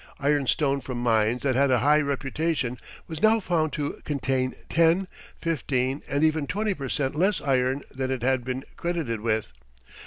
Iron stone from mines that had a high reputation was now found to contain ten, fifteen, and even twenty per cent less iron than it had been credited with.